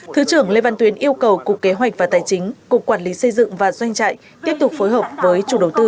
thứ trưởng lê văn tuyến yêu cầu cục kế hoạch và tài chính cục quản lý xây dựng và doanh trại tiếp tục phối hợp với chủ đầu tư